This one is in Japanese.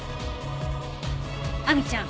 亜美ちゃん